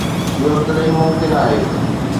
اهو تڏهن ئي ممڪن آهي.